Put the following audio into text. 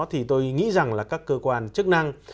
thì tôi nghĩ rằng là các cơ quan chức năng